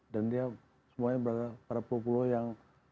dan dia semuanya berada pada pulau pulau yang